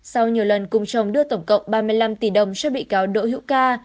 sau nhiều lần cùng chồng đưa tổng cộng ba mươi năm tỷ đồng cho bị cáo đỗ hữu ca